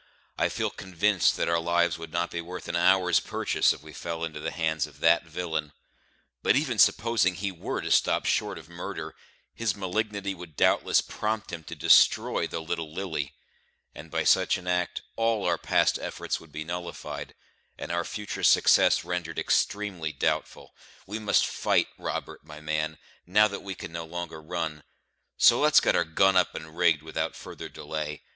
I feel convinced that our lives would not be worth an hour's purchase if we fell into the hands of that villain; but, even supposing he were to stop short of murder, his malignity would doubtless prompt him to destroy the little Lily; and by such an act all our past efforts would be nullified, and our future success rendered extremely doubtful. We must fight, Robert, my man, now that we can no longer run; so let's get our gun up and rigged without further delay.